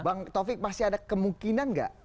bang taufik masih ada kemungkinan nggak